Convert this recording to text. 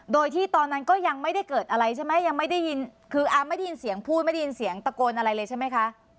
โดยที่ตอนนั้นก็ยังไม่ได้เกิดอะไรใช่ไหมยังไม่ได้ยินคือไม่ได้ยินเสียงพูดไม่ได้ยินเสียงตะโกนอะไรเลยใช่ไหมคะ